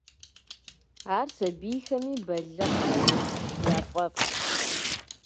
Ар сабийхэми балигъхэми яфӏэфӏщ.